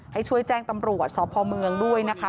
ให้ช่วยแจ้งตำรวจสพเมืองด้วยนะคะ